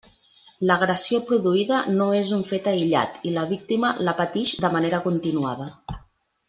L'agressió produïda no és un fet aïllat i la víctima la patix de manera continuada.